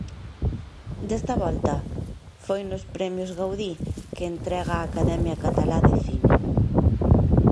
Desta volta foi nos Premios Gaudí, que entrega a Academia Catalá de Cine.